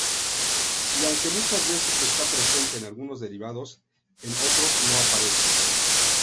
Y aunque muchas veces está presente en algunos derivados en otros no aparece.